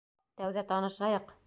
Тәүҙә танышайыҡ.